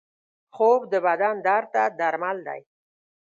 خوب د بدن درد ته درمل دی